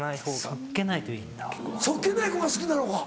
素っ気ない子が好きなのか。